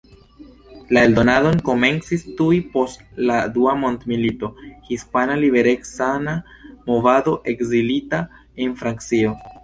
La eldonadon komencis tuj post la dua mondmilito Hispana Liberecana Movado ekzilita en Francio.